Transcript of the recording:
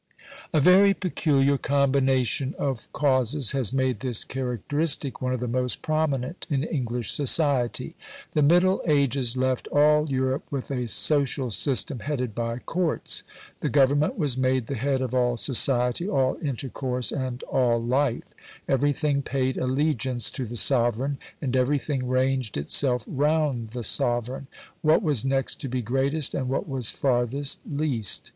A very peculiar combination of causes has made this characteristic one of the most prominent in English society. The middle ages left all Europe with a social system headed by Courts. The Government was made the head of all society, all intercourse, and all life; everything paid allegiance to the sovereign, and everything ranged itself round the sovereign what was next to be greatest, and what was farthest least.